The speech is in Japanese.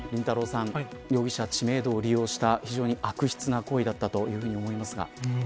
さん、容疑者は知名度を利用した非常に悪質な行為だったというふうに思いますが。